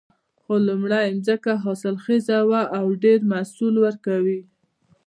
خو لومړۍ ځمکه حاصلخیزه وه او ډېر محصول ورکوي